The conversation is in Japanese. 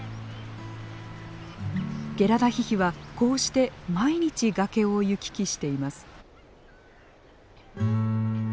ゲラダヒヒはこうして毎日崖を行き来しています。